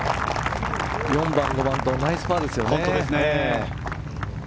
４番、５番ナイスパーですね。